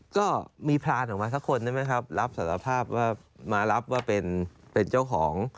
ก็มีพรานออกมาสักคนใช่ไหมครับรับสารภาพว่ามารับว่าเป็นเจ้าของ